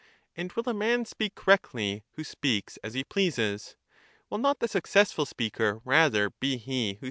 And will a man speak correctly who speaks as he This principle pleases? Will not the successful speaker rather be he who ^pphedto